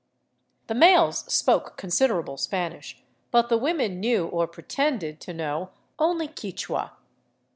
The males spoke considerable Spanish, but the women knew, or pre 310 THE ROOF OF PERU tended to know, only Quichua.